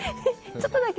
ちょっとだけ。